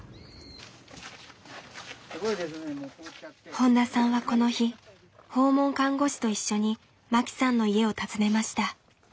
本田さんはこの日訪問看護師と一緒にマキさんの家を訪ねました。